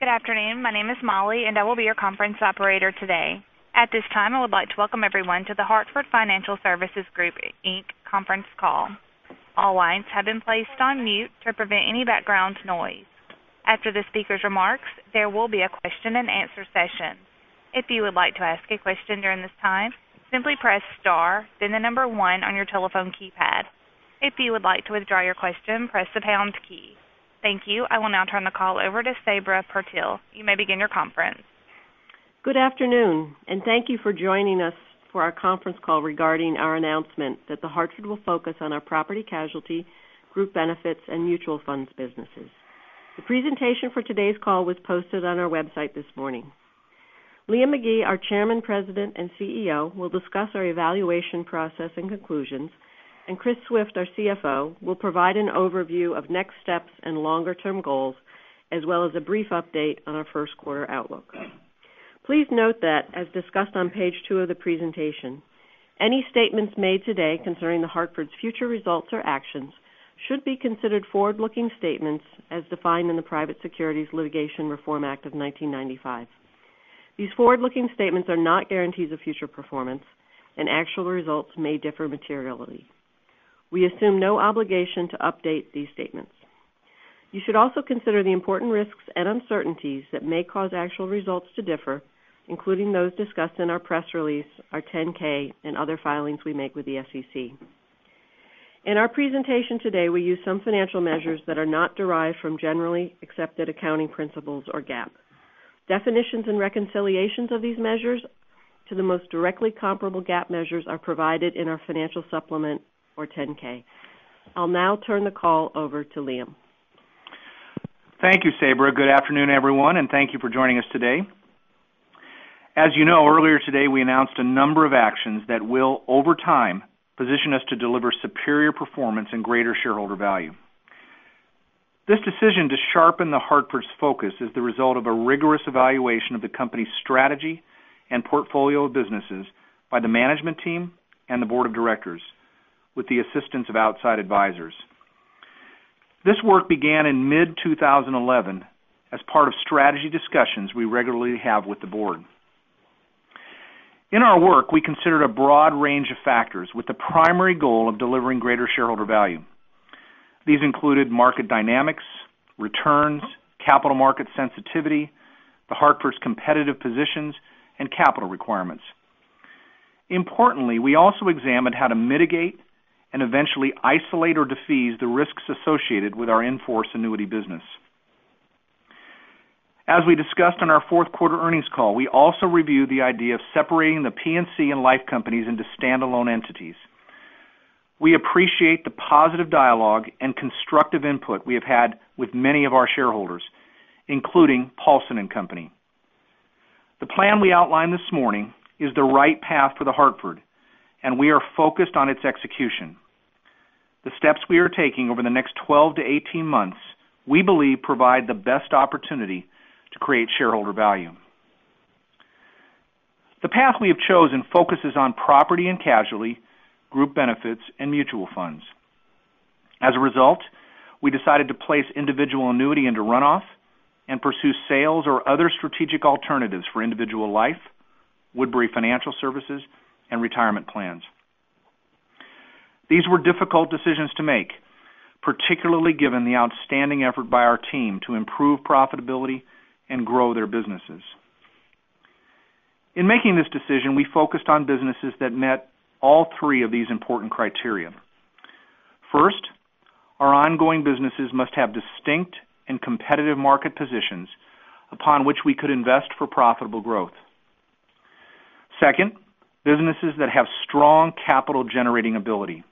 Good afternoon. My name is Molly and I will be your conference operator today. At this time, I would like to welcome everyone to The Hartford Financial Services Group, Inc. conference call. All lines have been placed on mute to prevent any background noise. After the speaker's remarks, there will be a question and answer session. If you would like to ask a question during this time, simply press star then the number one on your telephone keypad. If you would like to withdraw your question, press the pounds key. Thank you. I will now turn the call over to Sabra Purtill. You may begin your conference. Good afternoon and thank you for joining us for our conference call regarding our announcement that The Hartford will focus on our property casualty, Group Benefits and mutual funds businesses. The presentation for today's call was posted on our website this morning. Liam McGee, our Chairman, President and CEO will discuss our evaluation process and conclusions and Chris Swift, our CFO, will provide an overview of next steps and longer term goals as well as a brief update on our first quarter outlook. Please note that as discussed on page two of the presentation, any statements made today concerning The Hartford's future results or actions should be considered forward-looking statements as defined in the Private Securities Litigation Reform Act of 1995. These forward-looking statements are not guarantees of future performance and actual results may differ materially. We assume no obligation to update these statements. You should also consider the important risks and uncertainties that may cause actual results to differ, including those discussed in our press release, our 10-K and other filings we make with the SEC. In our presentation today, we use some financial measures that are not derived from generally accepted accounting principles or GAAP. Definitions and reconciliations of these measures to the most directly comparable GAAP measures are provided in our financial supplement or 10-K. I'll now turn the call over to Liam. Thank you, Sabra. Good afternoon, everyone and thank you for joining us today. As you know, earlier today we announced a number of actions that will over time position us to deliver superior performance and greater shareholder value. This decision to sharpen The Hartford's focus is the result of a rigorous evaluation of the company's strategy and portfolio of businesses by the management team and the board of directors with the assistance of outside advisors. This work began in mid-2011 as part of strategy discussions we regularly have with the board. In our work, we considered a broad range of factors with the primary goal of delivering greater shareholder value. These included market dynamics, returns, capital market sensitivity, The Hartford's competitive positions and capital requirements. Importantly, we also examined how to mitigate and eventually isolate or defease the risks associated with our in-force annuity business. As we discussed on our fourth quarter earnings call, we also reviewed the idea of separating the P&C and life companies into standalone entities. We appreciate the positive dialogue and constructive input we have had with many of our shareholders, including Paulson & Company. The plan we outlined this morning is the right path for The Hartford and we are focused on its execution. The steps we are taking over the next 12-18 months we believe provide the best opportunity to create shareholder value. The path we have chosen focuses on property and casualty, group benefits and mutual funds. As a result, we decided to place individual annuity into run-off and pursue sales or other strategic alternatives for individual life, Woodbury Financial Services and retirement plans. These were difficult decisions to make, particularly given the outstanding effort by our team to improve profitability and grow their businesses. In making this decision, we focused on businesses that met all three of these important criteria. First, our ongoing businesses must have distinct and competitive market positions upon which we could invest for profitable growth. Second, businesses that have strong capital generating ability.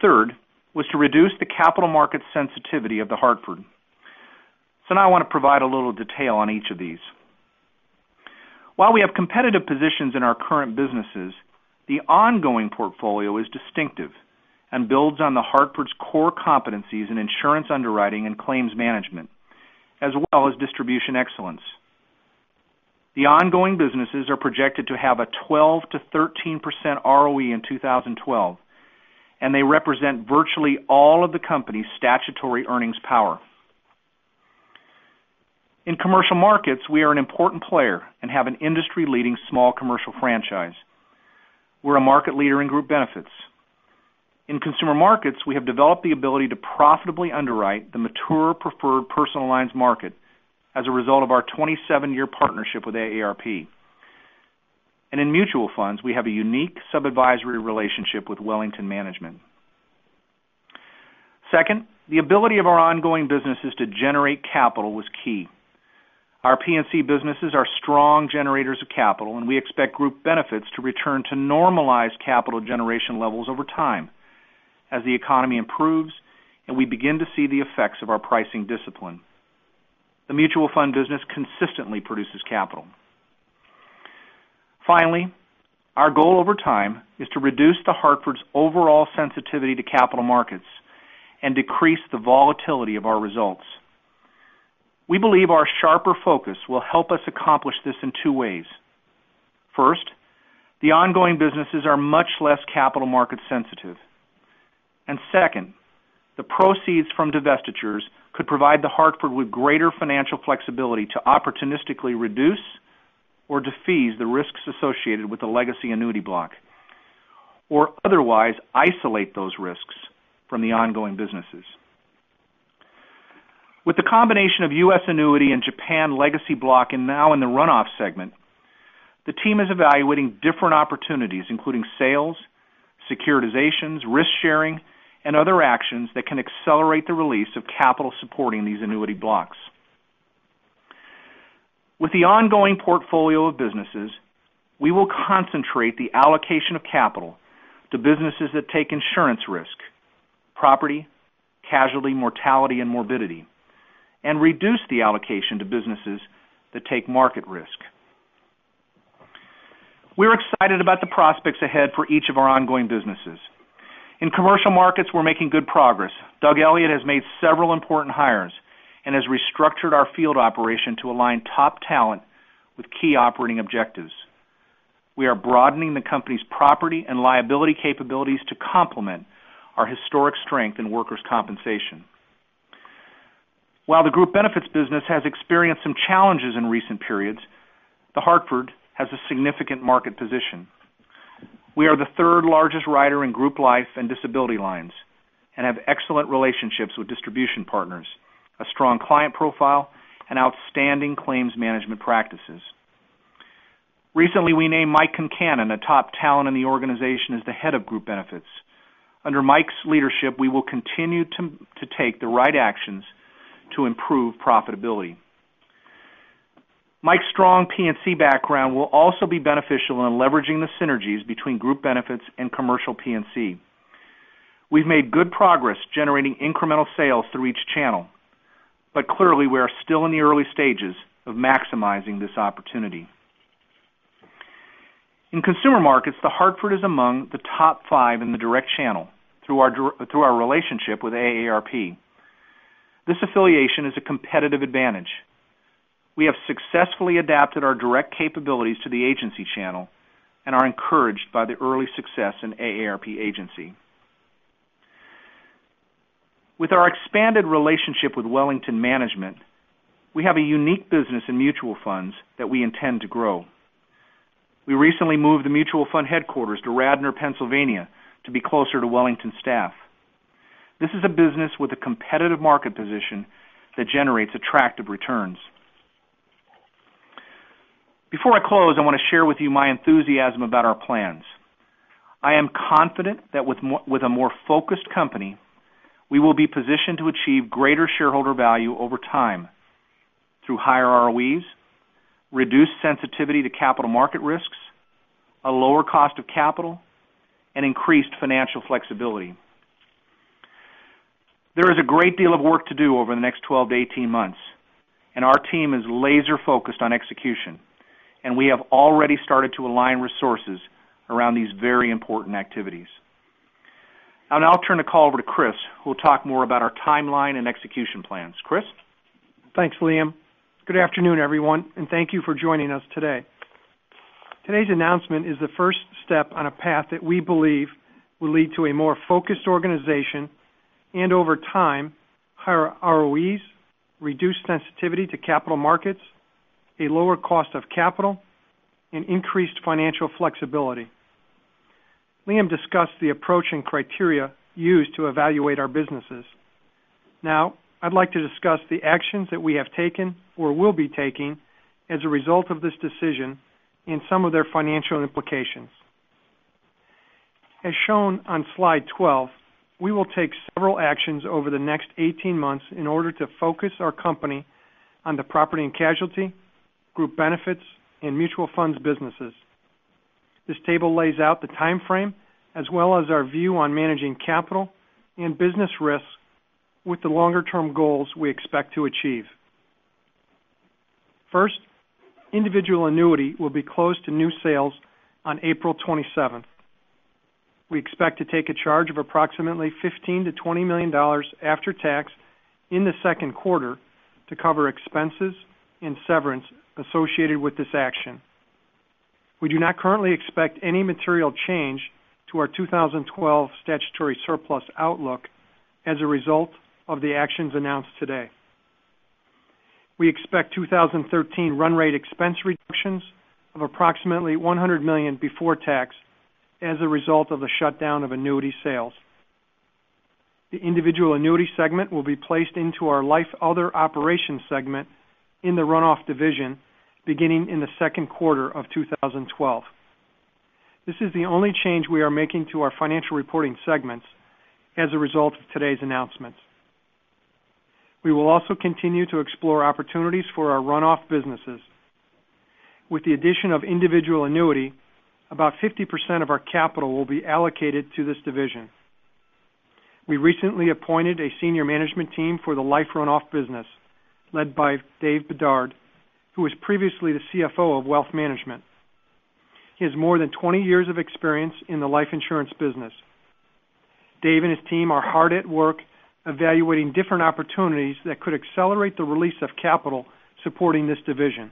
Third was to reduce the capital market sensitivity of The Hartford. Now I want to provide a little detail on each of these. While we have competitive positions in our current businesses, the ongoing portfolio is distinctive and builds on The Hartford's core competencies in insurance underwriting and claims management as well as distribution excellence. The ongoing businesses are projected to have a 12%-13% ROE in 2012 and they represent virtually all of the company's statutory earnings power. In commercial markets, we are an important player and have an industry leading small commercial franchise. We're a market leader in group benefits. In consumer markets, we have developed the ability to profitably underwrite the mature preferred personal lines market as a result of our 27-year partnership with AARP. In mutual funds, we have a unique sub-advisory relationship with Wellington Management. Second, the ability of our ongoing businesses to generate capital was key. Our P&C businesses are strong generators of capital and we expect group benefits to return to normalized capital generation levels over time as the economy improves and we begin to see the effects of our pricing discipline. The mutual fund business consistently produces capital. Finally, our goal over time is to reduce The Hartford's overall sensitivity to capital markets and decrease the volatility of our results. We believe our sharper focus will help us accomplish this in two ways. First, the ongoing businesses are much less capital market sensitive. Second, the proceeds from divestitures could provide The Hartford with greater financial flexibility to opportunistically reduce or defease the risks associated with the legacy annuity block, or otherwise isolate those risks from the ongoing businesses. With the combination of US Annuity and Japan legacy block and now in the runoff segment, the team is evaluating different opportunities, including sales, securitizations, risk-sharing, and other actions that can accelerate the release of capital supporting these annuity blocks. With the ongoing portfolio of businesses, we will concentrate the allocation of capital to businesses that take insurance risk, property, casualty, mortality, and morbidity, and reduce the allocation to businesses that take market risk. We're excited about the prospects ahead for each of our ongoing businesses. In commercial markets, we're making good progress. Doug Elliott has made several important hires and has restructured our field operation to align top talent with key operating objectives. We are broadening the company's property and liability capabilities to complement our historic strength in workers' compensation. While the group benefits business has experienced some challenges in recent periods, The Hartford has a significant market position. We are the third-largest writer in group life and disability lines and have excellent relationships with distribution partners, a strong client profile, and outstanding claims management practices. Recently, we named Mike Kincannon, a top talent in the organization, as the head of group benefits. Under Mike's leadership, we will continue to take the right actions to improve profitability. Mike's strong P&C background will also be beneficial in leveraging the synergies between group benefits and commercial P&C. We've made good progress generating incremental sales through each channel. Clearly, we are still in the early stages of maximizing this opportunity. In consumer markets, The Hartford is among the top five in the direct channel through our relationship with AARP. This affiliation is a competitive advantage. We have successfully adapted our direct capabilities to the agency channel and are encouraged by the early success in AARP agency. With our expanded relationship with Wellington Management, we have a unique business in mutual funds that we intend to grow. We recently moved the mutual fund headquarters to Radnor, Pennsylvania, to be closer to Wellington staff. This is a business with a competitive market position that generates attractive returns. Before I close, I want to share with you my enthusiasm about our plans. I am confident that with a more focused company, we will be positioned to achieve greater shareholder value over time through higher ROEs, reduced sensitivity to capital market risks, a lower cost of capital, and increased financial flexibility. There is a great deal of work to do over the next 12-18 months. Our team is laser-focused on execution. We have already started to align resources around these very important activities. I'll now turn the call over to Chris, who will talk more about our timeline and execution plans. Chris? Thanks, Liam. Good afternoon, everyone. Thank you for joining us today. Today's announcement is the first step on a path that we believe will lead to a more focused organization. Over time, higher ROEs, reduced sensitivity to capital markets, a lower cost of capital, and increased financial flexibility. Liam discussed the approach and criteria used to evaluate our businesses. Now, I'd like to discuss the actions that we have taken or will be taking as a result of this decision and some of their financial implications. As shown on slide 12, we will take several actions over the next 18 months in order to focus our company on the property and casualty, group benefits, and mutual funds businesses. This table lays out the timeframe as well as our view on managing capital and business risks with the longer-term goals we expect to achieve. First, individual annuity will be closed to new sales on April 27th. We expect to take a charge of approximately $15 million-$20 million after tax in the second quarter to cover expenses and severance associated with this action. We do not currently expect any material change to our 2012 statutory surplus outlook as a result of the actions announced today. We expect 2013 run rate expense reductions of approximately $100 million before tax as a result of the shutdown of annuity sales. The individual annuity segment will be placed into our life other operations segment in the runoff division beginning in the second quarter of 2012. This is the only change we are making to our financial reporting segments as a result of today's announcement. We will also continue to explore opportunities for our runoff businesses. With the addition of individual annuity, about 50% of our capital will be allocated to this division. We recently appointed a senior management team for the life runoff business led by Dave Bedard, who was previously the CFO of wealth management. He has more than 20 years of experience in the life insurance business. Dave and his team are hard at work evaluating different opportunities that could accelerate the release of capital supporting this division.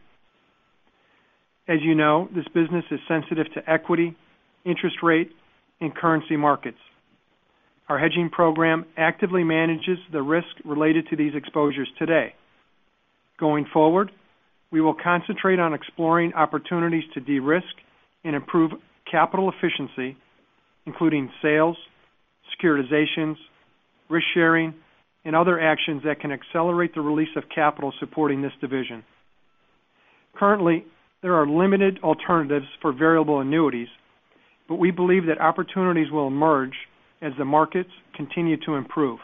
As you know, this business is sensitive to equity, interest rate, and currency markets. Our hedging program actively manages the risk related to these exposures today. Going forward, we will concentrate on exploring opportunities to de-risk and improve capital efficiency, including sales, securitizations, risk sharing, and other actions that can accelerate the release of capital supporting this division. Currently, there are limited alternatives for variable annuities, but we believe that opportunities will emerge as the markets continue to improve.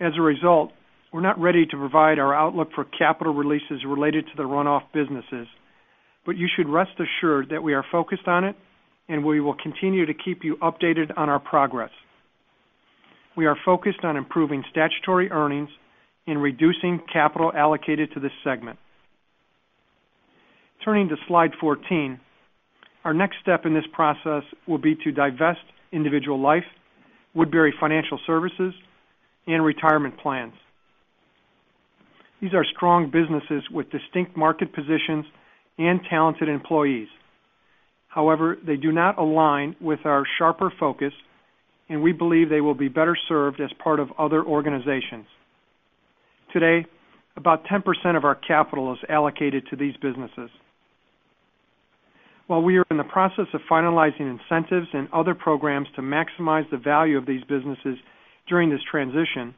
As a result, we're not ready to provide our outlook for capital releases related to the runoff businesses, but you should rest assured that we are focused on it, and we will continue to keep you updated on our progress. We are focused on improving statutory earnings and reducing capital allocated to this segment. Turning to slide 14. Our next step in this process will be to divest individual life, Woodbury Financial Services, and retirement plans. These are strong businesses with distinct market positions and talented employees. However, they do not align with our sharper focus, and we believe they will be better served as part of other organizations. Today, about 10% of our capital is allocated to these businesses. While we are in the process of finalizing incentives and other programs to maximize the value of these businesses during this transition,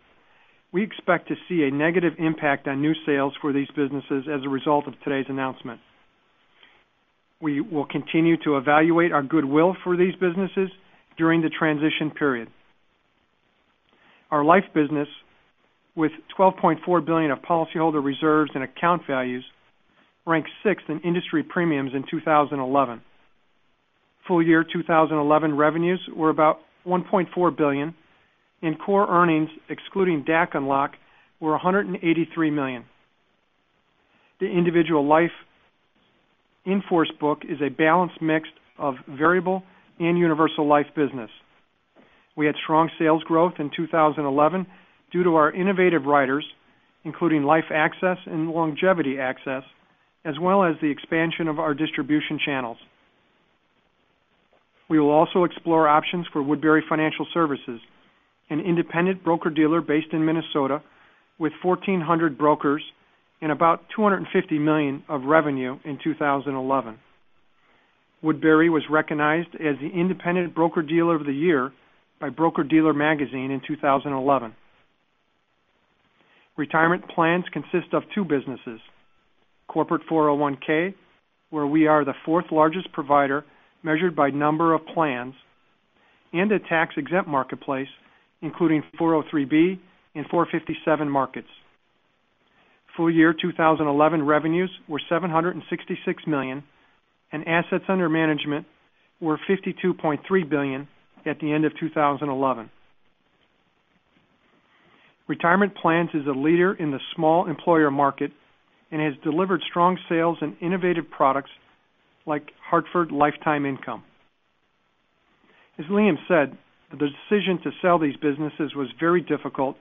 we expect to see a negative impact on new sales for these businesses as a result of today's announcement. We will continue to evaluate our goodwill for these businesses during the transition period. Our life business, with $12.4 billion of policyholder reserves and account values, ranks sixth in industry premiums in 2011. Full year 2011 revenues were about $1.4 billion, and core earnings, excluding DAC and LOC, were $183 million. The individual life in-force book is a balanced mix of variable and universal life business. We had strong sales growth in 2011 due to our innovative riders, including Life Access and Longevity Access, as well as the expansion of our distribution channels. We will also explore options for Woodbury Financial Services, an independent broker-dealer based in Minnesota with 1,400 brokers and about $250 million of revenue in 2011. Woodbury was recognized as the independent broker-dealer of the year by Broker Dealer Magazine in 2011. Retirement Plans consist of two businesses, corporate 401(k), where we are the fourth largest provider measured by number of plans, and a tax-exempt marketplace, including 403(b) and 457 markets. Full year 2011 revenues were $766 million, and assets under management were $52.3 billion at the end of 2011. Retirement Plans is a leader in the small employer market and has delivered strong sales and innovative products like Hartford Lifetime Income. As Liam said, the decision to sell these businesses was very difficult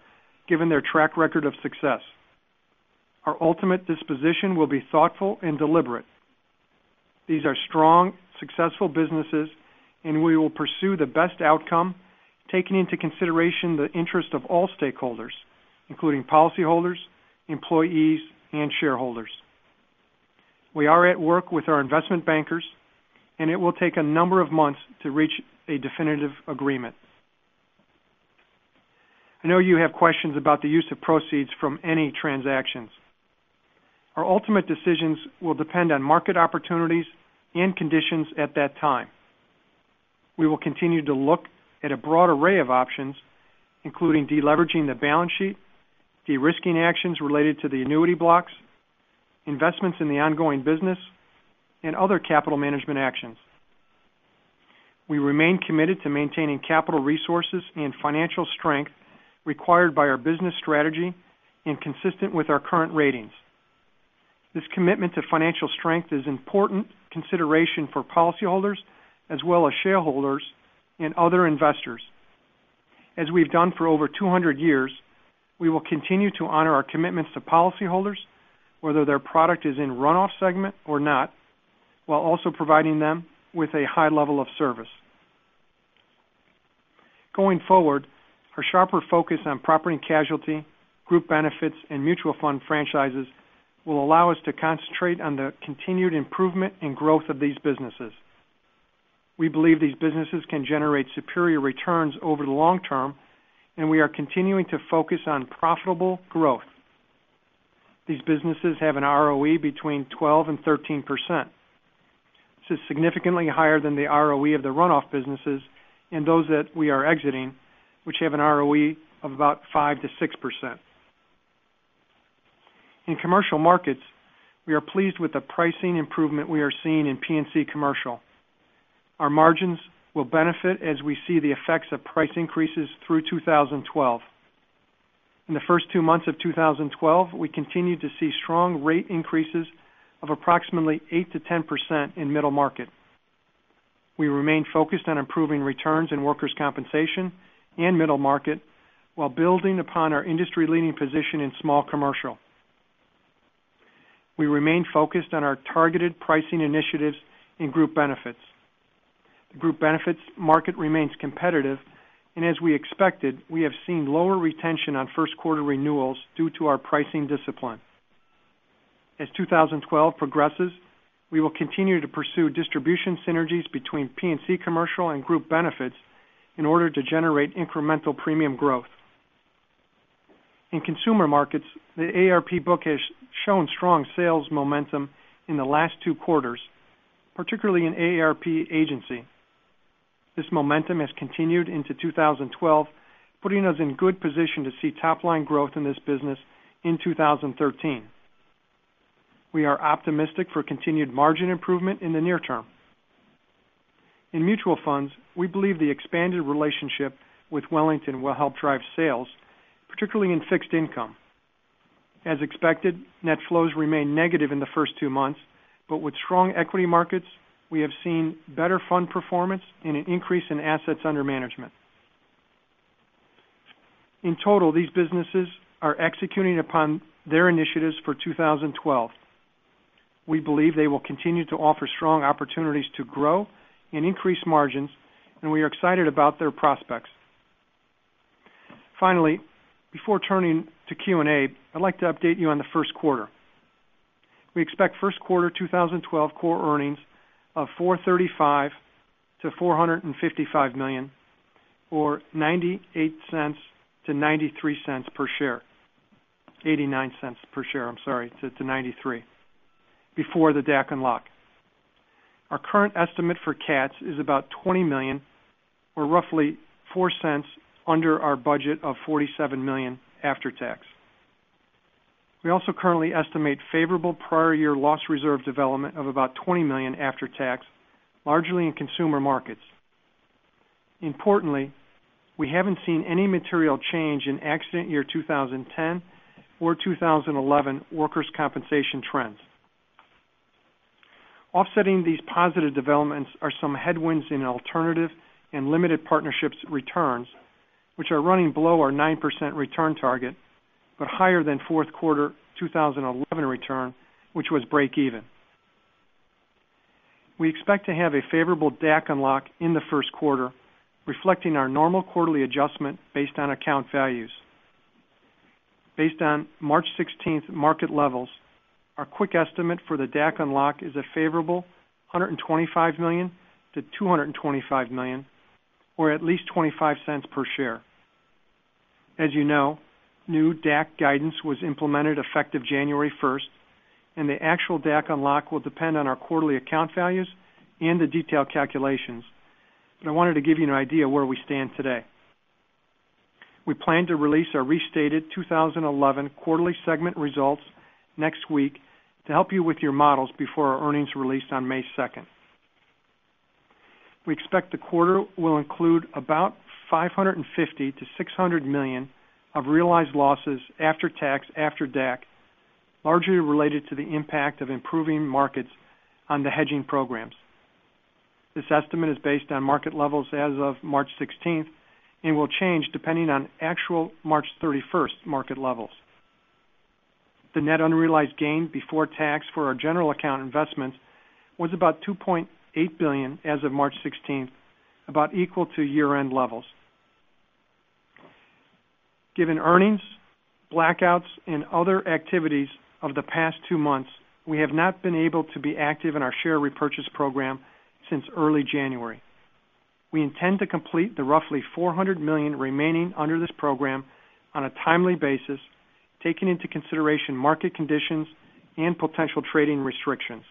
given their track record of success. Our ultimate disposition will be thoughtful and deliberate. These are strong, successful businesses. We will pursue the best outcome, taking into consideration the interest of all stakeholders, including policyholders, employees, and shareholders. We are at work with our investment bankers. It will take a number of months to reach a definitive agreement. I know you have questions about the use of proceeds from any transactions. Our ultimate decisions will depend on market opportunities and conditions at that time. We will continue to look at a broad array of options, including de-leveraging the balance sheet, de-risking actions related to the annuity blocks, investments in the ongoing business, and other capital management actions. We remain committed to maintaining capital resources and financial strength required by our business strategy and consistent with our current ratings. This commitment to financial strength is important consideration for policyholders as well as shareholders and other investors. As we've done for over 200 years, we will continue to honor our commitments to policyholders, whether their product is in run-off segment or not, while also providing them with a high level of service. Going forward, our sharper focus on property and casualty, Group Benefits, and mutual fund franchises will allow us to concentrate on the continued improvement and growth of these businesses. We believe these businesses can generate superior returns over the long term. We are continuing to focus on profitable growth. These businesses have an ROE between 12% and 13%. This is significantly higher than the ROE of the run-off businesses and those that we are exiting, which have an ROE of about 5%-6%. In Commercial Markets, we are pleased with the pricing improvement we are seeing in P&C Commercial. Our margins will benefit as we see the effects of price increases through 2012. In the first two months of 2012, we continued to see strong rate increases of approximately 8%-10% in Middle Market. We remain focused on improving returns in workers' compensation and Middle Market while building upon our industry-leading position in Small Commercial. We remain focused on our targeted pricing initiatives in Group Benefits. The Group Benefits market remains competitive. As we expected, we have seen lower retention on first quarter renewals due to our pricing discipline. As 2012 progresses, we will continue to pursue distribution synergies between P&C Commercial and Group Benefits in order to generate incremental premium growth. In Consumer Markets, the AARP book has shown strong sales momentum in the last two quarters, particularly in AARP agency. This momentum has continued into 2012, putting us in good position to see top-line growth in this business in 2013. We are optimistic for continued margin improvement in the near term. In mutual funds, we believe the expanded relationship with Wellington Management will help drive sales, particularly in fixed income. As expected, net flows remain negative in the first two months, but with strong equity markets, we have seen better fund performance and an increase in assets under management. In total, these businesses are executing upon their initiatives for 2012. We believe they will continue to offer strong opportunities to grow and increase margins, and we are excited about their prospects. Finally, before turning to Q&A, I'd like to update you on the first quarter. We expect first quarter 2012 core earnings of $435 million-$455 million, or $0.98-$0.93 per share. $0.89 per share, I'm sorry, to $0.93, before the DAC unlock. Our current estimate for CATs is about $20 million, or roughly $0.04 under our budget of $47 million after tax. We also currently estimate favorable prior year loss reserve development of about $20 million after tax, largely in consumer markets. Importantly, we haven't seen any material change in accident year 2010 or 2011 workers' compensation trends. Offsetting these positive developments are some headwinds in alternative and limited partnerships returns, which are running below our 9% return target, but higher than fourth quarter 2011 return, which was break even. We expect to have a favorable DAC unlock in the first quarter, reflecting our normal quarterly adjustment based on account values. Based on March 16th market levels, our quick estimate for the DAC unlock is a favorable $125 million-$225 million, or at least $0.25 per share. As you know, new DAC guidance was implemented effective January 1st, and the actual DAC unlock will depend on our quarterly account values and the detailed calculations. I wanted to give you an idea where we stand today. We plan to release our restated 2011 quarterly segment results next week to help you with your models before our earnings release on May 2nd. We expect the quarter will include about $550 million-$600 million of realized losses after tax, after DAC, largely related to the impact of improving markets on the hedging programs. This estimate is based on market levels as of March 16th and will change depending on actual March 31st market levels. The net unrealized gain before tax for our general account investments was about $2.8 billion as of March 16th, about equal to year-end levels. Given earnings, blackouts, and other activities of the past two months, we have not been able to be active in our share repurchase program since early January. We intend to complete the roughly $400 million remaining under this program on a timely basis, taking into consideration market conditions and potential trading restrictions.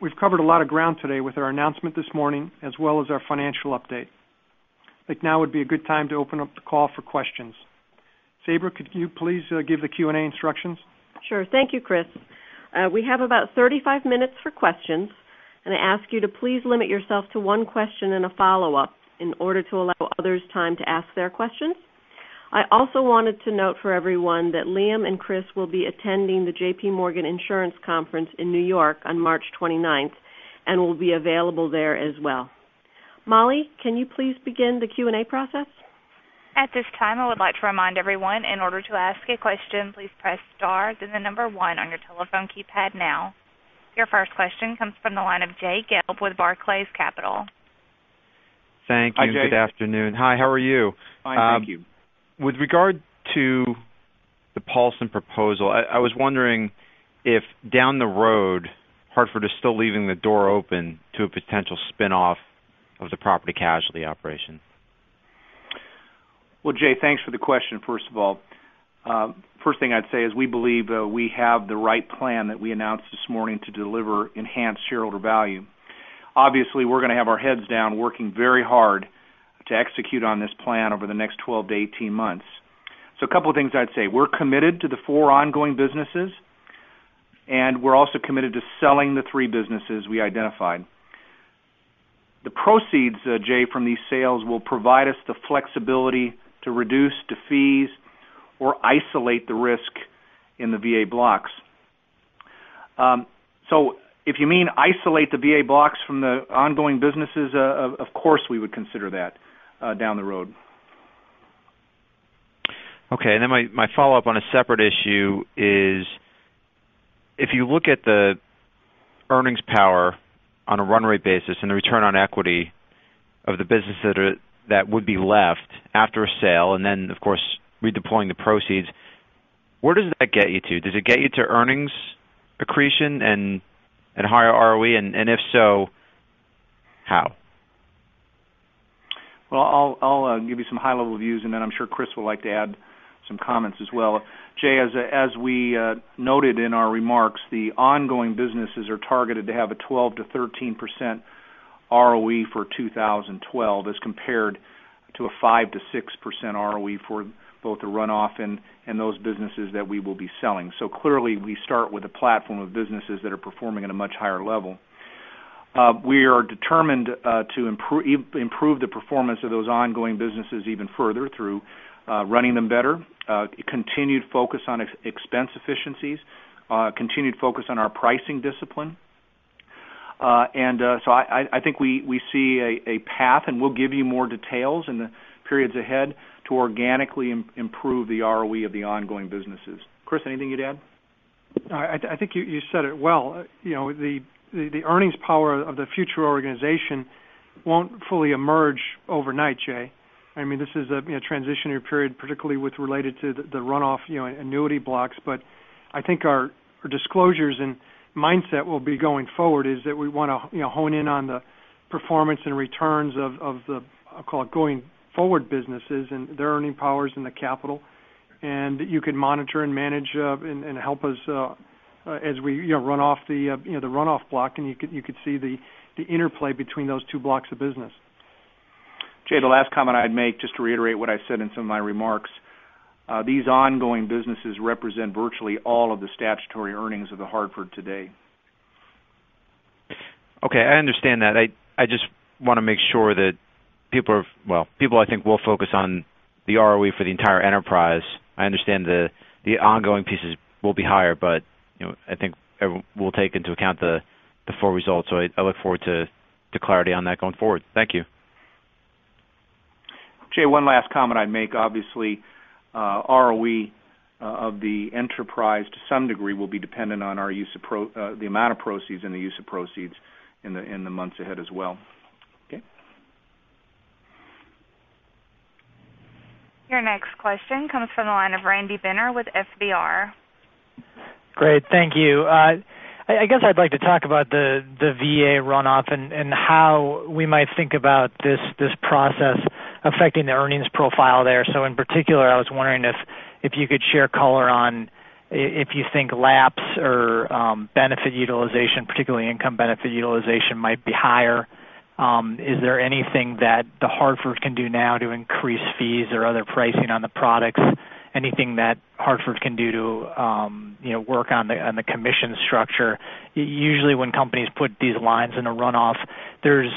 We've covered a lot of ground today with our announcement this morning as well as our financial update. I think now would be a good time to open up the call for questions. Sabra, could you please give the Q&A instructions? Sure. Thank you, Chris. I ask you to please limit yourself to one question and a follow-up in order to allow others time to ask their questions. I also wanted to note for everyone that Liam and Chris will be attending the JPMorgan Healthcare Conference in New York on March 29th and will be available there as well. Molly, can you please begin the Q&A process? At this time, I would like to remind everyone in order to ask a question, please press star, then the number one on your telephone keypad now. Your first question comes from the line of Jay Gelb with Barclays Capital. Hi, Jay. Thank you. Good afternoon. Hi, how are you? Fine, thank you. With regard to the Paulson proposal, I was wondering if down the road, Hartford is still leaving the door open to a potential spin-off of the property casualty operation. Well, Jay, thanks for the question, first of all. First thing I'd say is we believe we have the right plan that we announced this morning to deliver enhanced shareholder value. Obviously, we're going to have our heads down working very hard to execute on this plan over the next 12-18 months. A couple of things I'd say. We're committed to the four ongoing businesses, and we're also committed to selling the three businesses we identified. The proceeds, Jay, from these sales will provide us the flexibility to reduce the fees or isolate the risk in the VA blocks. If you mean isolate the VA blocks from the ongoing businesses, of course, we would consider that down the road. Okay. Then my follow-up on a separate issue is if you look at the earnings power on a run rate basis and the return on equity of the business that would be left after a sale, then, of course, redeploying the proceeds, where does that get you to? Does it get you to earnings accretion and higher ROE? If so, how? Well, I'll give you some high-level views, then I'm sure Chris would like to add some comments as well. Jay, as we noted in our remarks, the ongoing businesses are targeted to have a 12%-13% ROE for 2012 as compared to a 5%-6% ROE for both the runoff and those businesses that we will be selling. Clearly, we start with a platform of businesses that are performing at a much higher level. We are determined to improve the performance of those ongoing businesses even further through running them better, continued focus on expense efficiencies, continued focus on our pricing discipline. So I think we see a path, and we'll give you more details in the periods ahead to organically improve the ROE of the ongoing businesses. Chris, anything you'd add? I think you said it well. The earnings power of the future organization won't fully emerge overnight, Jay. This is a transitionary period, particularly with related to the runoff annuity blocks. I think our disclosures and mindset will be going forward is that we want to hone in on the performance and returns of the, I'll call it, going-forward businesses and their earning powers in the capital. You can monitor and manage and help us as we run off the runoff block, and you could see the interplay between those two blocks of business. Jay, the last comment I'd make, just to reiterate what I said in some of my remarks, these ongoing businesses represent virtually all of the statutory earnings of The Hartford today. Okay, I understand that. I just want to make sure that people, well, people I think will focus on the ROE for the entire enterprise. I understand the ongoing pieces will be higher, but I think we'll take into account the full results. I look forward to clarity on that going forward. Thank you. Jay, one last comment I'd make. Obviously, ROE of the enterprise, to some degree, will be dependent on the amount of proceeds and the use of proceeds in the months ahead as well. Okay. Your next question comes from the line of Randy Binner with FBR. Great. Thank you. I guess I'd like to talk about the VA runoff and how we might think about this process affecting the earnings profile there. In particular, I was wondering if you could share color on if you think lapse or benefit utilization, particularly income benefit utilization, might be higher. Is there anything that The Hartford can do now to increase fees or other pricing on the products? Anything that The Hartford can do to work on the commission structure? Usually, when companies put these lines in a runoff, there's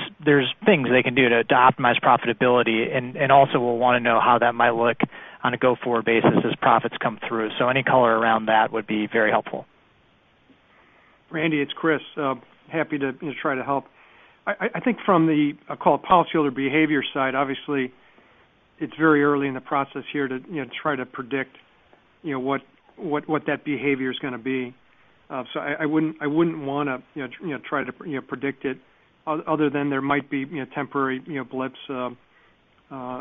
things they can do to optimize profitability and also we'll want to know how that might look on a go-forward basis as profits come through. Any color around that would be very helpful. Randy, it's Chris. Happy to try to help. I think from the, I'll call it, policyholder behavior side, obviously, it's very early in the process here to try to predict what that behavior is going to be. I wouldn't want to try to predict it other than there might be temporary blips on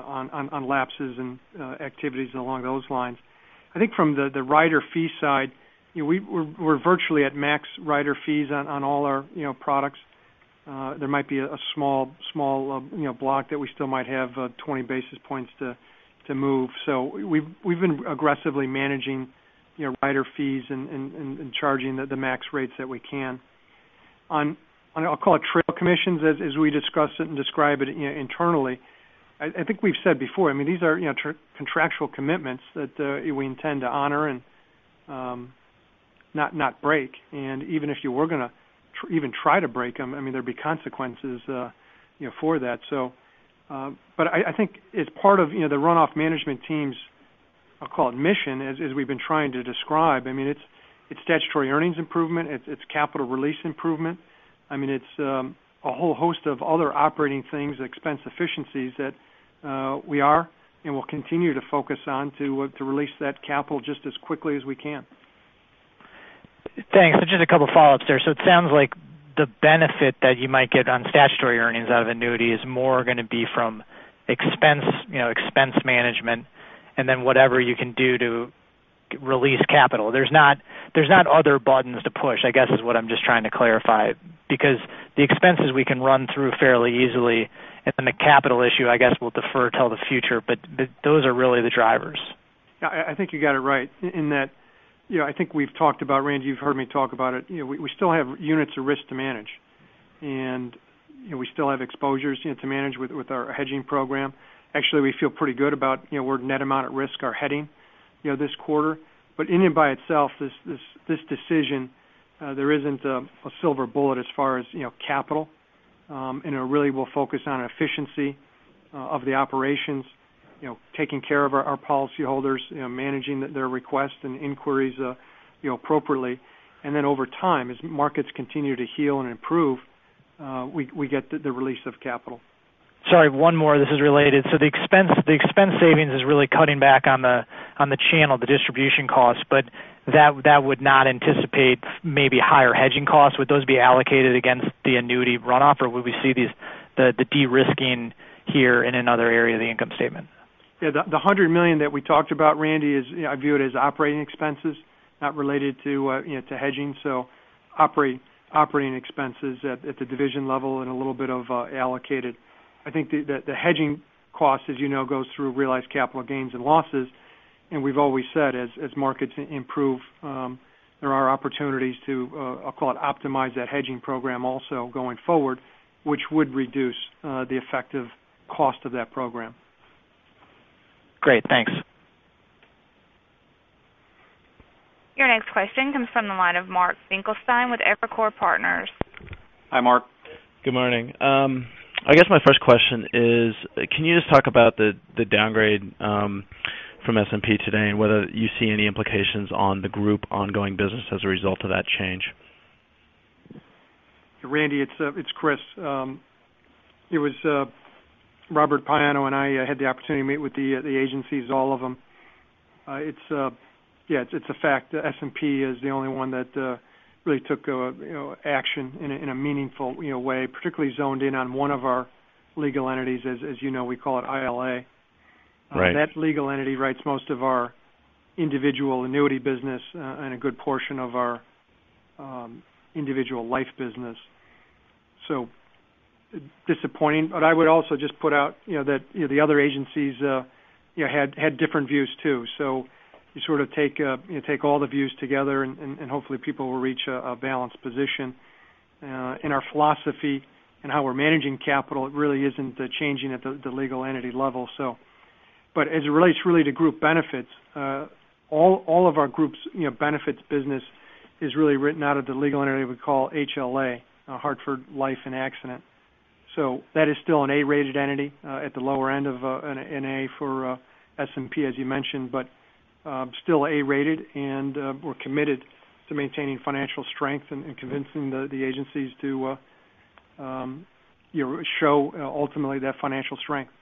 lapses and activities along those lines. I think from the rider fee side, we're virtually at max rider fees on all our products. There might be a small block that we still might have 20 basis points to move. We've been aggressively managing rider fees and charging the max rates that we can. On, I'll call it, trail commissions, as we discussed it and describe it internally, I think we've said before, these are contractual commitments that we intend to honor and not break. Even if you were going to even try to break them, there'd be consequences for that. I think as part of the runoff management team's, I'll call it, mission, as we've been trying to describe, it's statutory earnings improvement. It's capital release improvement. It's a whole host of other operating things, expense efficiencies that we are and will continue to focus on to release that capital just as quickly as we can. Thanks. Just a couple follow-ups there. It sounds like the benefit that you might get on statutory earnings out of annuity is more going to be from expense management and then whatever you can do to release capital. There's not other buttons to push, I guess, is what I'm just trying to clarify. The expenses we can run through fairly easily, and then the capital issue, I guess, will defer till the future, but those are really the drivers. I think you got it right in that I think we've talked about, Randy, you've heard me talk about it. We still have units of risk to manage, and we still have exposures to manage with our hedging program. Actually, we feel pretty good about where net amount at risk are heading. This quarter. In and by itself, this decision, there isn't a silver bullet as far as capital. It really will focus on efficiency of the operations, taking care of our policyholders, managing their requests and inquiries appropriately. Then over time, as markets continue to heal and improve, we get the release of capital. Sorry, one more. This is related. The expense savings is really cutting back on the channel, the distribution costs, that would not anticipate maybe higher hedging costs. Would those be allocated against the annuity runoff, or would we see the de-risking here in another area of the income statement? Yeah, the $100 million that we talked about, Randy, I view it as operating expenses not related to hedging. Operating expenses at the division level and a little bit of allocated. I think the hedging cost, as you know, goes through realized capital gains and losses. We've always said, as markets improve, there are opportunities to, I'll call it, optimize that hedging program also going forward, which would reduce the effective cost of that program. Great, thanks. Your next question comes from the line of Mark Finkelstein with Evercore Partners. Hi, Mark. Good morning. I guess my first question is, can you just talk about the downgrade from S&P today, whether you see any implications on the group ongoing business as a result of that change? Randy, it's Chris. It was Robert Paiano I had the opportunity to meet with the agencies, all of them. It's a fact that S&P is the only one that really took action in a meaningful way, particularly zoned in on one of our legal entities, as you know, we call it ILA. Right. That legal entity writes most of our individual annuity business and a good portion of our individual life business. Disappointing. I would also just put out, that the other agencies had different views, too. You sort of take all the views together hopefully people will reach a balanced position. Our philosophy and how we're managing capital really isn't changing at the legal entity level. As it relates really to group benefits, all of our group benefits business is really written out of the legal entity we call HLA, Hartford Life and Accident. That is still an A-rated entity at the lower end of an A for S&P, as you mentioned, but still A-rated. We're committed to maintaining financial strength and convincing the agencies to show ultimately that financial strength.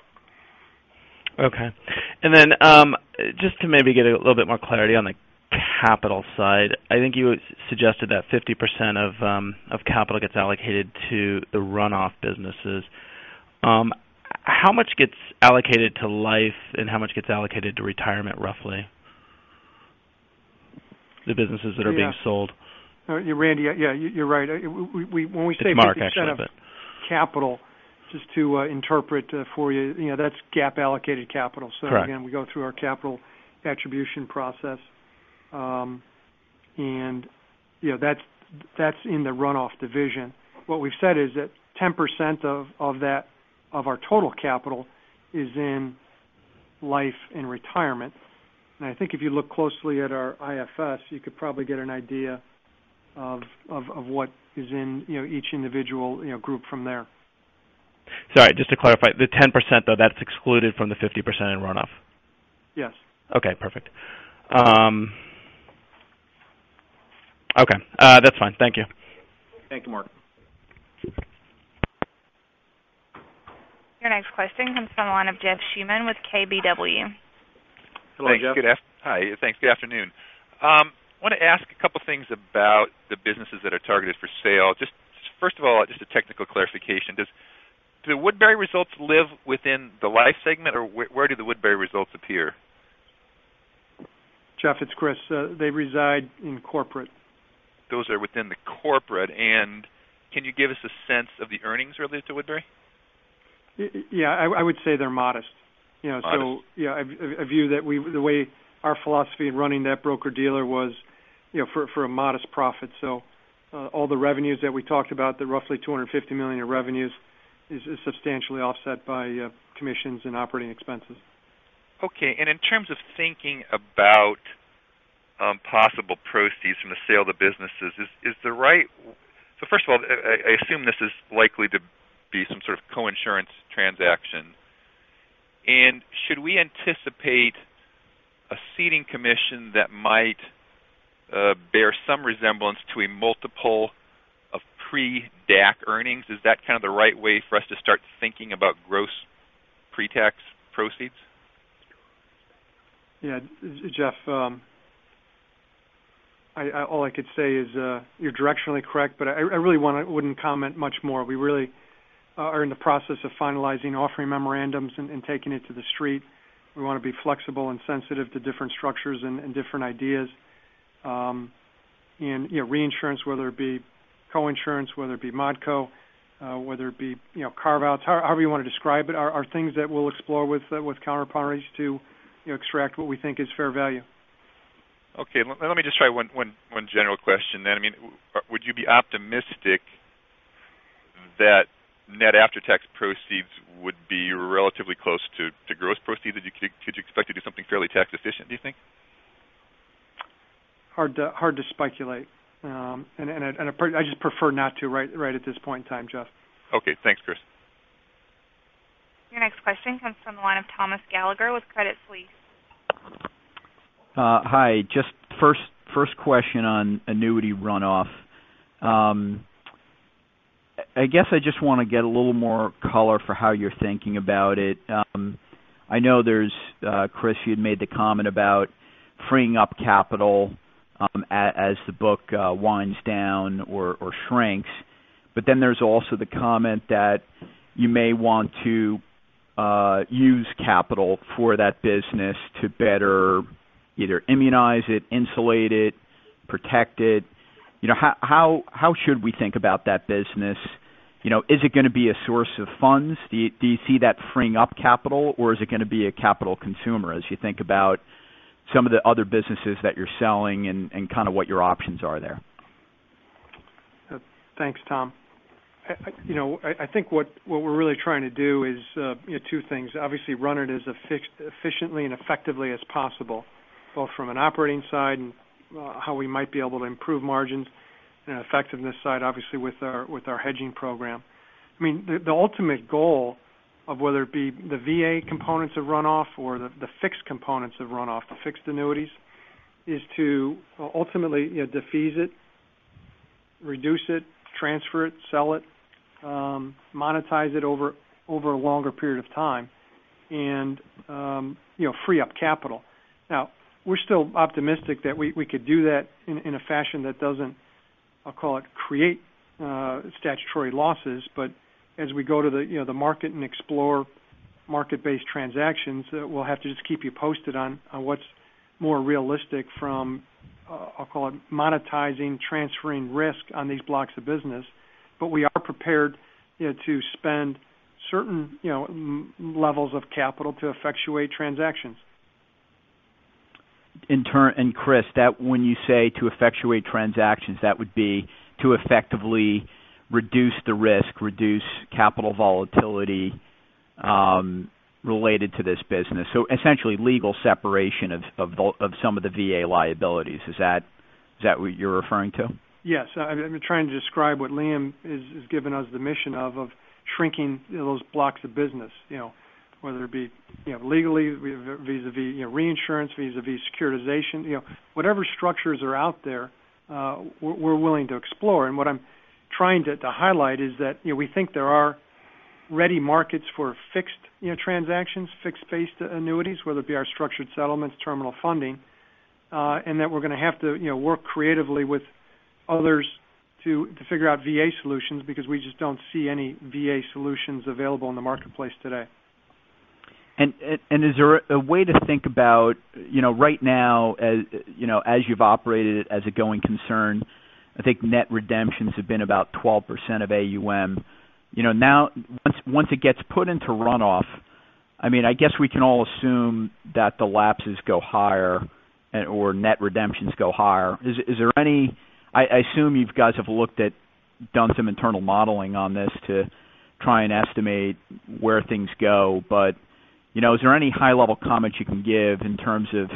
Just to maybe get a little bit more clarity on the capital side. I think you suggested that 50% of capital gets allocated to the runoff businesses. How much gets allocated to life and how much gets allocated to retirement, roughly? The businesses that are being sold. Randy, yeah, you're right. It's Mark, actually. capital, just to interpret for you, that's GAAP allocated capital. Correct. Again, we go through our capital attribution process, and that's in the runoff division. What we've said is that 10% of our total capital is in life and retirement. I think if you look closely at our IFS, you could probably get an idea of what is in each individual group from there. Sorry, just to clarify, the 10%, though, that's excluded from the 50% in runoff. Yes. Okay, perfect. Okay. That's fine, thank you. Thank you, Mark. Your next question comes from the line of Jeff Schuman with KBW. Hello, Jeff. Hi. Thanks. Good afternoon. I want to ask a couple things about the businesses that are targeted for sale. First of all, just a technical clarification. Do the Woodbury results live within the life segment, or where do the Woodbury results appear? Jeff, it's Chris. They reside in corporate. Those are within the corporate. Can you give us a sense of the earnings related to Woodbury? Yeah, I would say they're modest. Modest. Yeah, I view that the way our philosophy in running that broker-dealer was for a modest profit. All the revenues that we talked about, the roughly $250 million in revenues, is substantially offset by commissions and operating expenses. Okay. In terms of thinking about possible proceeds from the sale of the businesses. First of all, I assume this is likely to be some sort of coinsurance transaction. Should we anticipate a ceding commission that might bear some resemblance to a multiple of pre-DAC earnings? Is that kind of the right way for us to start thinking about gross pre-tax proceeds? Yeah. Jeff, all I could say is, you're directionally correct, I really wouldn't comment much more. We really are in the process of finalizing offering memorandums and taking it to The Street. We want to be flexible and sensitive to different structures and different ideas. Reinsurance, whether it be coinsurance, whether it be ModCo, whether it be carve-outs, however you want to describe it, are things that we'll explore with counterparties to extract what we think is fair value. Okay. Let me just try one general question then. Would you be optimistic that net after-tax proceeds would be relatively close to gross proceeds. Could you expect to do something fairly tax efficient, do you think? Hard to speculate. I just prefer not to right at this point in time, Jeff. Okay. Thanks, Chris. Your next question comes from the line of Thomas Gallagher with Credit Suisse. Hi. Just first question on annuity runoff. I guess I just want to get a little more color for how you're thinking about it. I know, Chris, you had made the comment about freeing up capital as the book winds down or shrinks, there's also the comment that you may want to use capital for that business to better either immunize it, insulate it, protect it. How should we think about that business? Is it going to be a source of funds? Do you see that freeing up capital, or is it going to be a capital consumer as you think about some of the other businesses that you're selling and kind of what your options are there? Thanks, Tom. I think what we're really trying to do is two things. Obviously, run it as efficiently and effectively as possible, both from an operating side and how we might be able to improve margins, and effectiveness side, obviously, with our hedging program. The ultimate goal of whether it be the VA components of runoff or the fixed components of runoff, the fixed annuities, is to ultimately defease it, reduce it, transfer it, sell it, monetize it over a longer period of time, and free up capital. We're still optimistic that we could do that in a fashion that doesn't, I'll call it, create statutory losses. As we go to the market and explore market-based transactions, we'll have to just keep you posted on what's more realistic from, I'll call it, monetizing, transferring risk on these blocks of business. We are prepared to spend certain levels of capital to effectuate transactions. Chris, when you say to effectuate transactions, that would be to effectively reduce the risk, reduce capital volatility related to this business. Essentially, legal separation of some of the VA liabilities. Is that what you're referring to? Yes. I've been trying to describe what Liam has given us the mission of shrinking those blocks of business whether it be legally vis-a-vis reinsurance, vis-a-vis securitization. Whatever structures are out there, we're willing to explore. What I'm trying to highlight is that we think there are ready markets for fixed transactions, fixed-based annuities, whether it be our structured settlements, terminal funding, and that we're going to have to work creatively with others to figure out VA solutions because we just don't see any VA solutions available in the marketplace today. Is there a way to think about right now as you've operated it as a going concern, I think net redemptions have been about 12% of AUM. Now, once it gets put into runoff, I guess we can all assume that the lapses go higher or net redemptions go higher. I assume you guys have done some internal modeling on this to try and estimate where things go. Is there any high-level comments you can give in terms of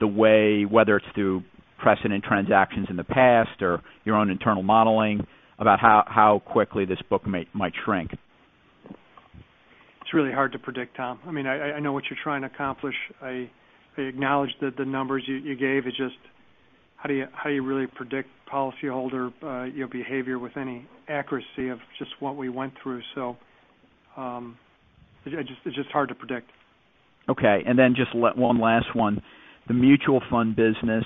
the way, whether it's through precedent transactions in the past or your own internal modeling, about how quickly this book might shrink? It's really hard to predict, Tom. I know what you're trying to accomplish. I acknowledge that the numbers you gave is just how do you really predict policyholder behavior with any accuracy of just what we went through? It's just hard to predict. Okay, then just one last one. The mutual fund business,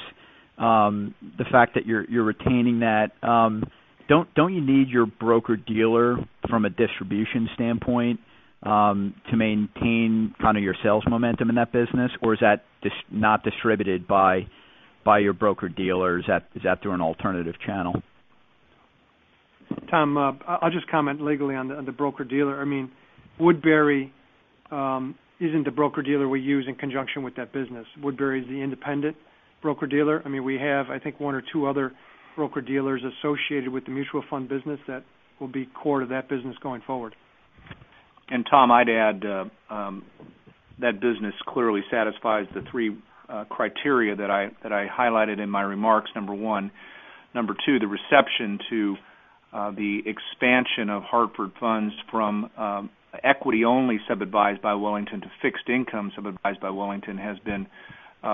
the fact that you're retaining that, don't you need your broker-dealer from a distribution standpoint to maintain kind of your sales momentum in that business? Or is that not distributed by your broker-dealer? Is that through an alternative channel? Tom, I'll just comment legally on the broker-dealer. Woodbury isn't the broker-dealer we use in conjunction with that business. Woodbury is the independent broker-dealer. We have, I think, one or two other broker-dealers associated with the mutual fund business that will be core to that business going forward. Tom, I'd add that business clearly satisfies the three criteria that I highlighted in my remarks, number one. Number two, the reception to the expansion of Hartford Funds from equity-only sub-advised by Wellington to fixed income sub-advised by Wellington has been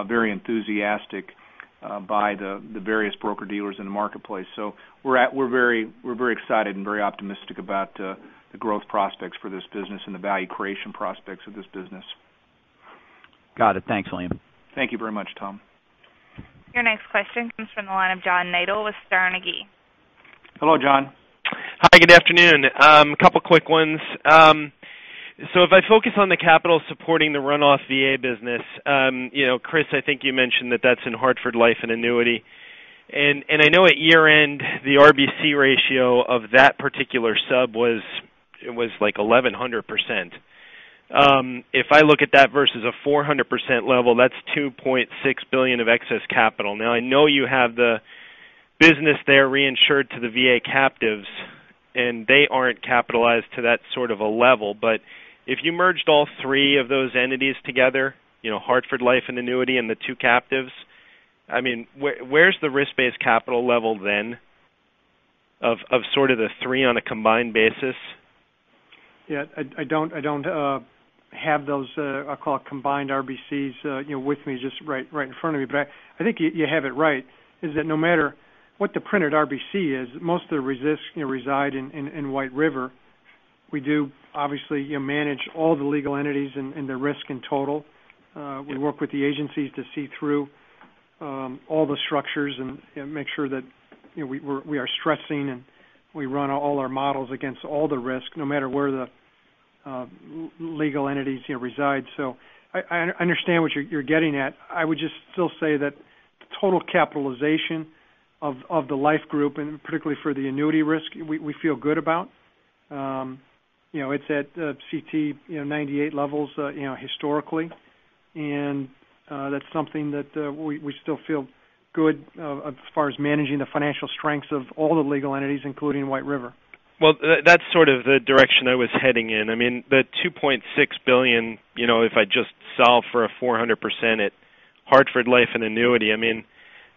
very enthusiastic by the various broker-dealers in the marketplace. We're very excited and very optimistic about the growth prospects for this business and the value creation prospects of this business. Got it. Thanks, Liam. Thank you very much, Tom. Your next question comes from the line of John Nadel with Sterne Agee. Hello, John. Hi, good afternoon. A couple quick ones. If I focus on the capital supporting the runoff VA business, Chris, I think you mentioned that that's in Hartford Life and Annuity. I know at year-end, the RBC ratio of that particular sub was like 1,100%. If I look at that versus a 400% level, that's $2.6 billion of excess capital. I know you have the business there reinsured to the VA captives, and they aren't capitalized to that sort of a level. But if you merged all three of those entities together, Hartford Life and Annuity and the two captives, where's the risk-based capital level then of the three on a combined basis? Yeah. I don't have those, I'll call it combined RBCs, with me just right in front of me. I think you have it right, is that no matter what the printed RBC is, most of the risks reside in White River. We do, obviously, manage all the legal entities and their risk in total. We work with the agencies to see through all the structures and make sure that we are stressing, and we run all our models against all the risk, no matter where the legal entities reside. I understand what you're getting at. I would just still say that the total capitalization of the life group, and particularly for the annuity risk, we feel good about. It's at CTE 98 levels historically, and that's something that we still feel good as far as managing the financial strengths of all the legal entities, including White River. Well, that's sort of the direction I was heading in. The $2.6 billion, if I just solve for a 400% at Hartford Life & Annuity,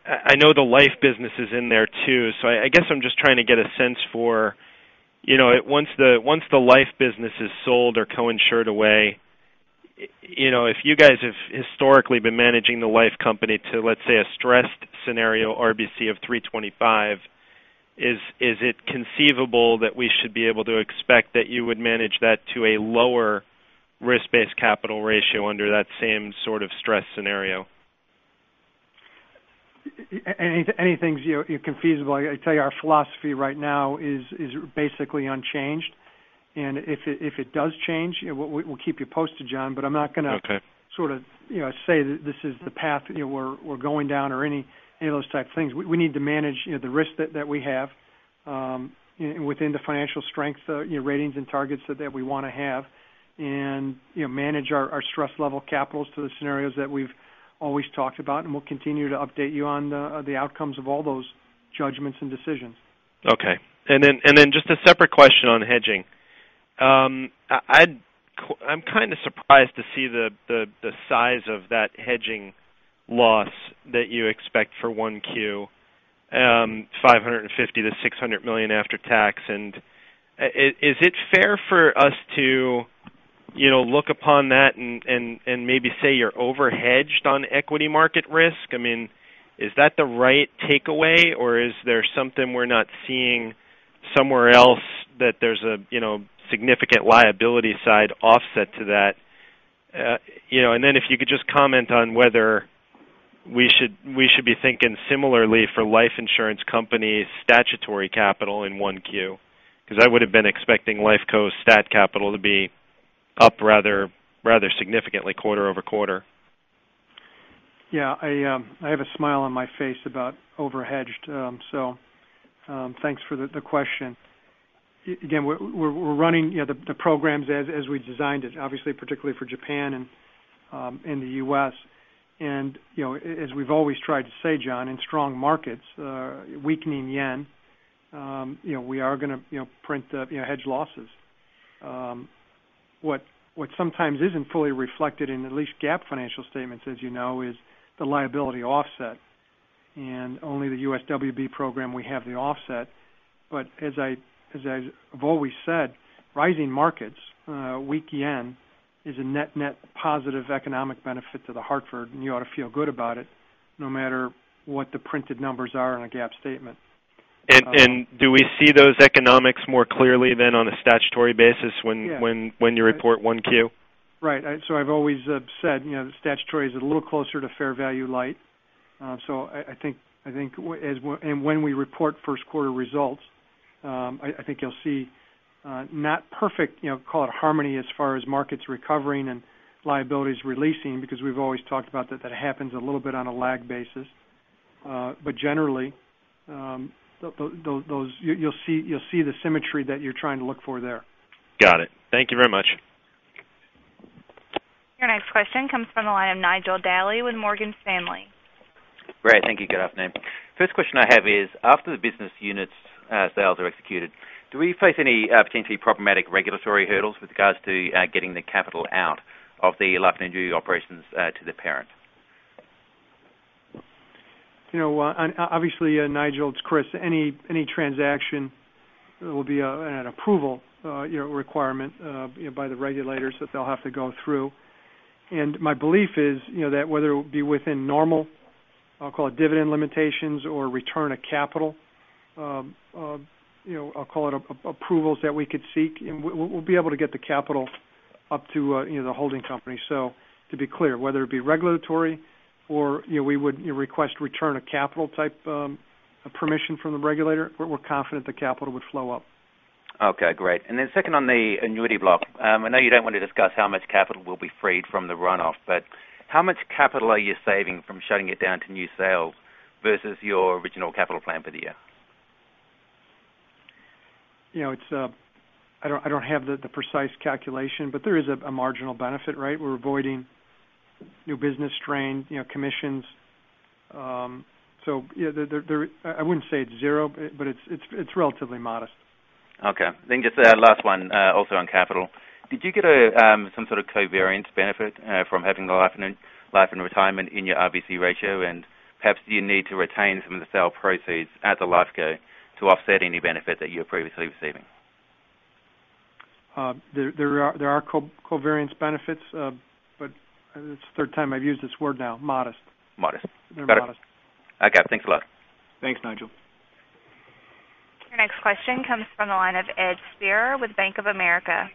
I know the life business is in there too. I guess I'm just trying to get a sense for once the life business is sold or coinsured away, if you guys have historically been managing the life company to, let's say, a stressed scenario RBC of 325, is it conceivable that we should be able to expect that you would manage that to a lower risk-based capital ratio under that same sort of stress scenario? Anything's conceivable. I tell you, our philosophy right now is basically unchanged. If it does change, we'll keep you posted, John. I'm not going to- Okay. sort of say that this is the path we're going down or any of those type things. We need to manage the risk that we have within the financial strength ratings and targets that we want to have and manage our stress level capitals to the scenarios that we've always talked about, and we'll continue to update you on the outcomes of all those judgments and decisions. Just a separate question on hedging. I'm kind of surprised to see the size of that hedging loss that you expect for 1Q, $550 million-$600 million after tax. Is it fair for us to look upon that and maybe say you're over-hedged on equity market risk? Is that the right takeaway, or is there something we're not seeing somewhere else that there's a significant liability side offset to that? Then if you could just comment on whether we should be thinking similarly for life insurance companies' statutory capital in 1Q, because I would have been expecting Life Co's stat capital to be up rather significantly quarter-over-quarter. Yeah. I have a smile on my face about over-hedged, thanks for the question. We're running the programs as we designed it, obviously, particularly for Japan and the U.S. As we've always tried to say, John, in strong markets, weakening yen, we are going to print hedge losses. What sometimes isn't fully reflected in the GAAP financial statements, as you know, is the liability offset. Only the USWB program we have the offset. As I've always said, rising markets, weak yen, is a net-net positive economic benefit to The Hartford, and you ought to feel good about it no matter what the printed numbers are on a GAAP statement. Do we see those economics more clearly than on a statutory basis when you report 1Q? Right. I've always said statutory is a little closer to fair value light. I think when we report first quarter results, I think you'll see not perfect call it harmony as far as markets recovering and liabilities releasing because we've always talked about that that happens a little bit on a lag basis. Generally, you'll see the symmetry that you're trying to look for there. Got it. Thank you very much. Your next question comes from the line of Nigel Daly with Morgan Stanley. Great. Thank you. Good afternoon. First question I have is, after the business units' sales are executed, do we face any potentially problematic regulatory hurdles with regards to getting the capital out of the life and annuity operations to the parent? Obviously, Nigel, it's Chris. Any transaction will be an approval requirement by the regulators that they'll have to go through. My belief is that whether it be within normal, I'll call it dividend limitations or return of capital, I'll call it approvals that we could seek, we'll be able to get the capital up to the holding company. To be clear, whether it be regulatory or we would request return of capital type permission from the regulator, we're confident the capital would flow up. Okay, great. Second on the annuity block. I know you don't want to discuss how much capital will be freed from the run-off, but how much capital are you saving from shutting it down to new sales versus your original capital plan for the year? I don't have the precise calculation, there is a marginal benefit, right? We're avoiding new business strain, commissions. I wouldn't say it's zero, but it's relatively modest. Okay. Just last one, also on capital. Did you get some sort of covariance benefit from having life and retirement in your RBC ratio? Perhaps do you need to retain some of the sale proceeds at the life co to offset any benefit that you were previously receiving? There are covariance benefits, it's the third time I've used this word now, modest. Modest. Got it. They're modest. Okay, thanks a lot. Thanks, Nigel. Your next question comes from the line of Ed Speier with Bank of America.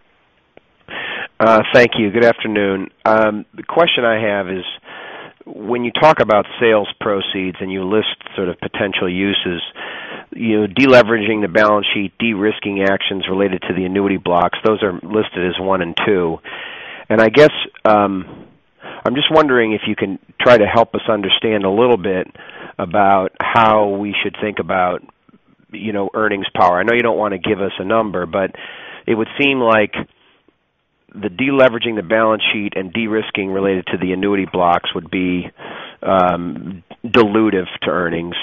Thank you. Good afternoon. The question I have is, when you talk about sales proceeds and you list sort of potential uses, de-leveraging the balance sheet, de-risking actions related to the annuity blocks, those are listed as one and two. I guess, I'm just wondering if you can try to help us understand a little bit about how we should think about earnings power. I know you don't want to give us a number, but it would seem like the de-leveraging the balance sheet and de-risking related to the annuity blocks would be dilutive to earnings,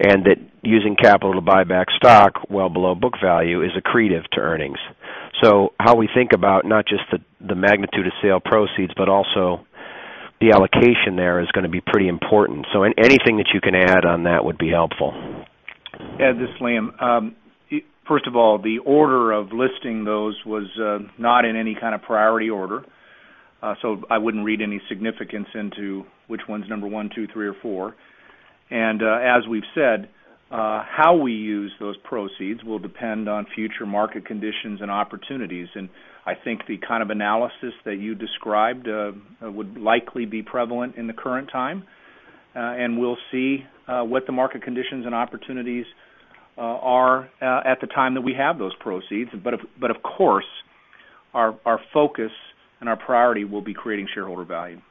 and that using capital to buy back stock well below book value is accretive to earnings. How we think about not just the magnitude of sale proceeds, but also the allocation there is going to be pretty important. Anything that you can add on that would be helpful. Ed, this is Liam. First of all, the order of listing those was not in any kind of priority order. I wouldn't read any significance into which one's number one, two, three or four. As we've said, how we use those proceeds will depend on future market conditions and opportunities. I think the kind of analysis that you described would likely be prevalent in the current time. We'll see what the market conditions and opportunities are at the time that we have those proceeds. Of course, our focus and our priority will be creating shareholder value.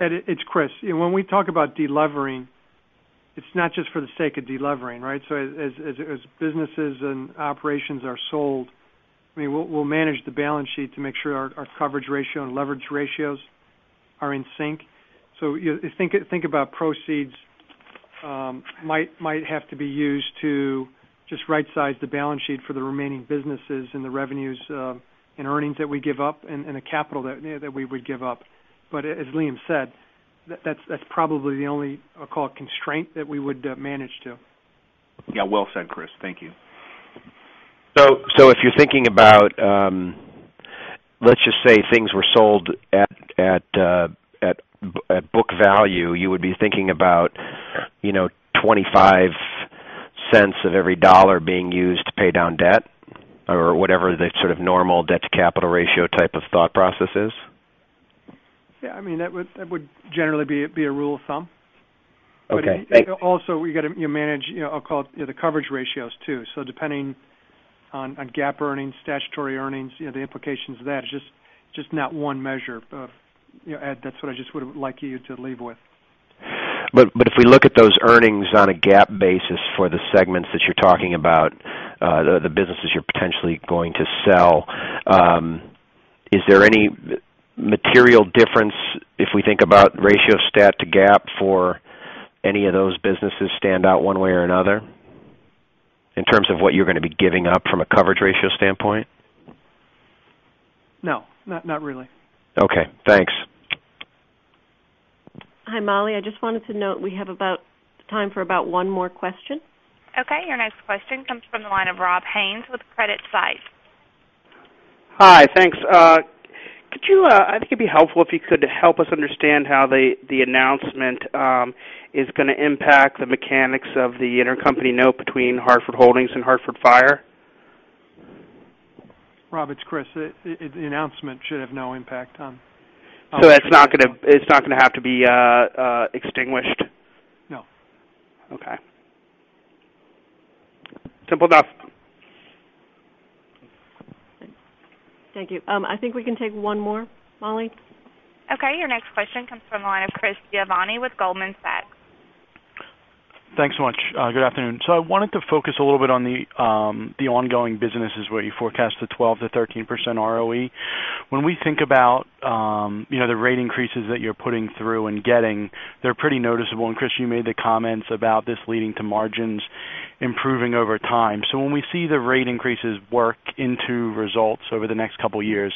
Ed, it's Chris. When we talk about de-levering, it's not just for the sake of de-levering, right? As businesses and operations are sold, we'll manage the balance sheet to make sure our coverage ratio and leverage ratios are in sync. Think about proceeds might have to be used to just right size the balance sheet for the remaining businesses and the revenues and earnings that we give up and the capital that we would give up. As Liam said, that's probably the only, I'll call it constraint that we would manage to. Yeah, well said, Chris. Thank you. If you're thinking about, let's just say things were sold at book value, you would be thinking about $0.25 of every dollar being used to pay down debt or whatever the sort of normal debt to capital ratio type of thought process is? Yeah, that would generally be a rule of thumb. Okay. Also you've got to manage, I'll call it the coverage ratios too. Depending on GAAP earnings, statutory earnings, the implications of that, it's just not one measure. Ed, that's what I just would like you to leave with. If we look at those earnings on a GAAP basis for the segments that you're talking about, the businesses you're potentially going to sell, is there any material difference if we think about ratio stat to GAAP for any of those businesses stand out one way or another in terms of what you're going to be giving up from a coverage ratio standpoint? No, not really. Okay, thanks. Hi, Molly. I just wanted to note we have about time for about one more question. Your next question comes from the line of Rob Haines with CreditSights. Hi. Thanks. I think it'd be helpful if you could help us understand how the announcement is going to impact the mechanics of the intercompany note between Hartford Holdings and Hartford Fire. Rob, it's Chris. The announcement should have no impact on. It's not going to have to be extinguished? No. Okay. Simple enough. Thank you. I think we can take one more, Molly. Okay. Your next question comes from the line of Chris Giovanni with Goldman Sachs. Thanks much. Good afternoon. I wanted to focus a little bit on the ongoing businesses where you forecast the 12%-13% ROE. When we think about the rate increases that you're putting through and getting, they're pretty noticeable. Chris, you made the comments about this leading to margins improving over time. When we see the rate increases work into results over the next couple of years,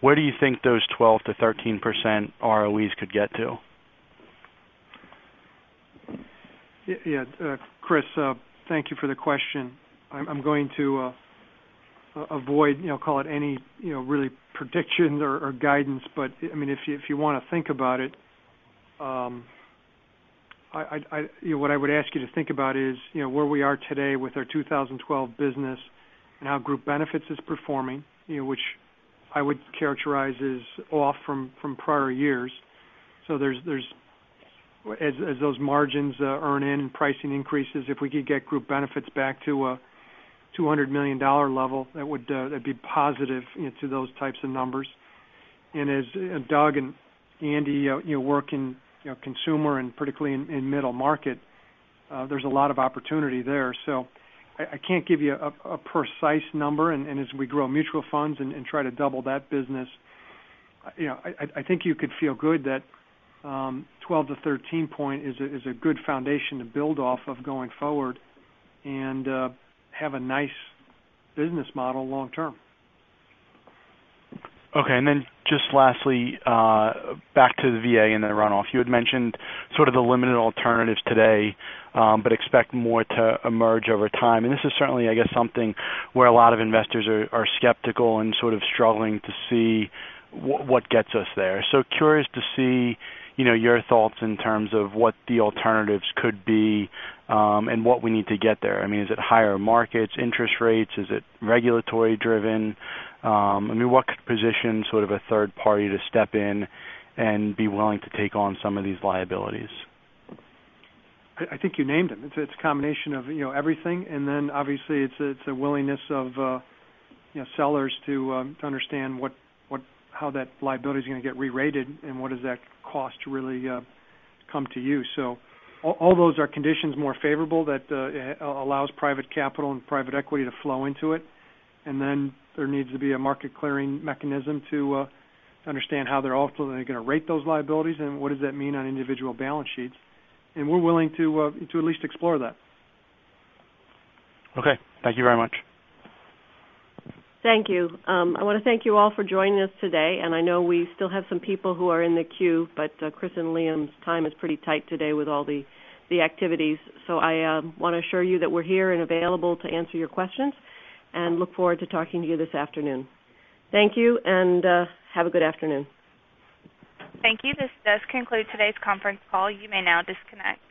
where do you think those 12%-13% ROEs could get to? Chris, thank you for the question. I'm going to avoid call it any really predictions or guidance. If you want to think about it, what I would ask you to think about is where we are today with our 2012 business and how Group Benefits is performing, which I would characterize as off from prior years. As those margins earn in and pricing increases, if we could get Group Benefits back to a $200 million level, that would be positive to those types of numbers. As Doug and Andy work in consumer and particularly in middle market, there's a lot of opportunity there. I can't give you a precise number. As we grow mutual funds and try to double that business, I think you could feel good that 12-13 point is a good foundation to build off of going forward and have a nice business model long term. Just lastly, back to the VA and the runoff. You had mentioned sort of the limited alternatives today, expect more to emerge over time. This is certainly, I guess, something where a lot of investors are skeptical and sort of struggling to see what gets us there. Curious to see your thoughts in terms of what the alternatives could be and what we need to get there. Is it higher markets, interest rates? Is it regulatory driven? What could position sort of a third party to step in and be willing to take on some of these liabilities? I think you named them. It's a combination of everything. Obviously it's a willingness of sellers to understand how that liability is going to get rerated and what does that cost really come to you. All those are conditions more favorable that allows private capital and private equity to flow into it. Then there needs to be a market clearing mechanism to understand how they're ultimately going to rate those liabilities and what does that mean on individual balance sheets. We're willing to at least explore that. Okay. Thank you very much. Thank you. I want to thank you all for joining us today. I know we still have some people who are in the queue, Chris and Liam's time is pretty tight today with all the activities. I want to assure you that we're here and available to answer your questions and look forward to talking to you this afternoon. Thank you and have a good afternoon. Thank you. This does conclude today's conference call. You may now disconnect.